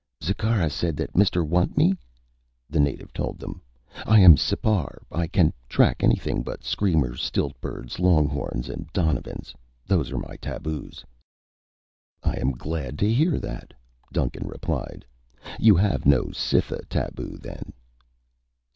"Zikkara said that mister want me," the native told them. "I am Sipar. I can track anything but screamers, stilt birds, longhorns and donovans. Those are my taboos." "I am glad to hear that," Duncan replied. "You have no Cytha taboo, then."